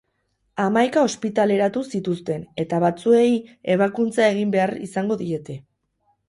Hamaika ospitaleratu zituzten, eta batzuei ebakuntza egin behar izango diete.